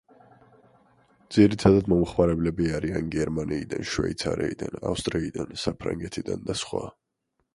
ძირითადად მომხმარებლები არიან გერმანიიდან, შვეიცარიიდან, ავსტრიიდან, საფრანგეთიდან და სხვა.